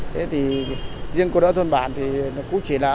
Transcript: thế thì riêng cô đỡ thôn bản thì nó cũng chỉ là